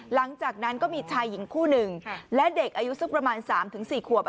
หลังจากนั้นก็มีชายหญิงคู่หนึ่งและเด็กอายุสักประมาณ๓๔ขวบ